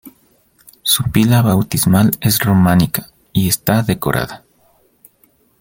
Su pila bautismal es románica y está decorada.